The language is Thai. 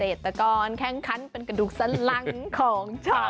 เกษตรกรแค้งคันเป็นกระดูกสันลังของชาติ